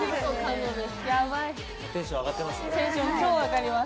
テンション上がってます？